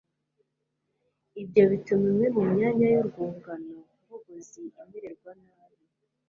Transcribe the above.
Ibyo bituma imwe mu myanya yurwungano ngogozi imererwa nabi